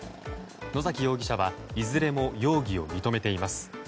野崎容疑者はいずれも容疑を認めています。